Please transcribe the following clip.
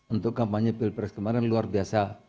untuk kampanye pilpres kemarin luar biasa